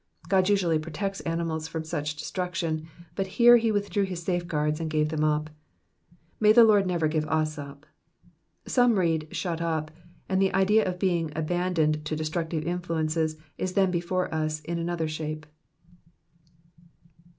God usually protects animals from such destruction, but here he withdrew his safe guards and gave them up : may the Lord never give us up. Some read, shut up," and the idea of being abandoned to destructive influences is then before us in another shape.